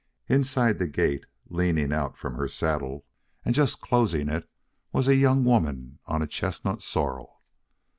Inside the gate leaning out from her saddle and just closing it, was a young woman on a chestnut sorrel.